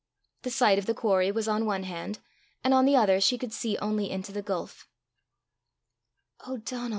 The side of the quarry was on one hand, and on the other she could see only into the gulf. "Oh, Donal!"